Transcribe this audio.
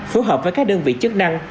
phù hợp với các đơn vị chức năng